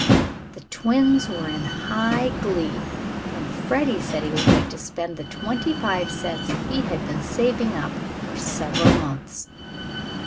The twins were in high glee, and Freddie said he was going to spend the twenty five cents he had been saving up for several months.